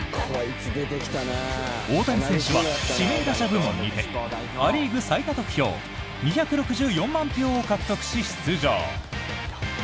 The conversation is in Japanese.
大谷選手は指名打者部門にてア・リーグ最多得票２６４万票を獲得し、出場。